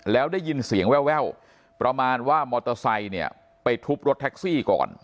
แล้วได้ยินเสียงแววประมาณว่ามอเตอร์ไซค์เนี่ยไปทุบรถแท็กซี่ก่อน